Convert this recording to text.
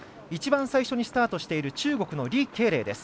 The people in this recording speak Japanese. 一番最初にスタートしている中国の李慧玲。